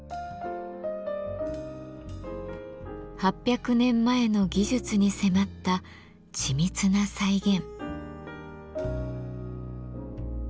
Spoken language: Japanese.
８００年前の技術に迫った緻密な再現。